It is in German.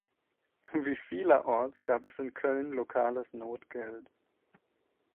Wie vielerorts gab es in Köln lokales Notgeld.